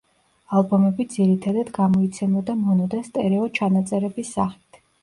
ალბომები ძირითადად გამოიცემოდა მონო და სტერეო ჩანაწერების სახით.